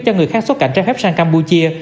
cho người khác xuất cảnh trái phép sang campuchia